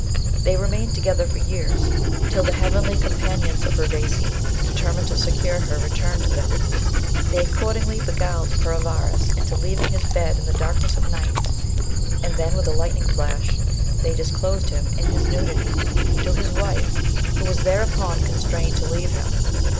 They remained together for years, till the heavenly com panions of UrvaQi determined to secure her return to them. They accordingly beguiled Puravaras into leaving his bed in the darkness of night, and then with a lightning flash they disclosed him, in his nudity, to his ORIGIN OF THE WERE WOLF MYTH. 177 wife, who was thereupon constrained to leave him.